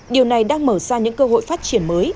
điều này đang mở ra những cơ hội phát triển mới